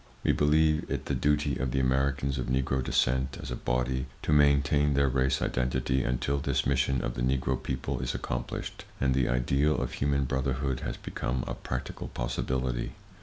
We believe it the duty of the Americans of Negro descent, as a body, to maintain their race identity until this mission of the Negro people is accomplished, and the ideal of human brotherhood has become a practical possibility.